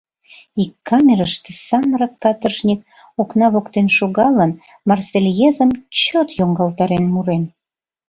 Ик камерыште самырык каторжник, окна воктен шогалын, «Марсельезым» чот йоҥгалтарен мурен.